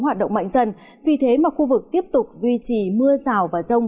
hoạt động mạnh dần vì thế mà khu vực tiếp tục duy trì mưa rào và rông